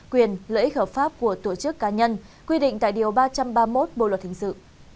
quyền lợi ích hợp pháp của tổ chức cá nhân quy định tại điều ba trăm ba mươi một bộ luật hình sự